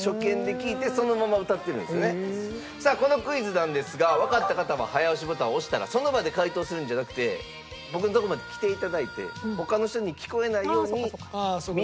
さあこのクイズなんですがわかった方は早押しボタンを押したらその場で解答するんじゃなくて僕のとこまで来て頂いて他の人に聞こえないように耳打ちでお答えください。